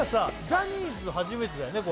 ジャニーズ初めてだよね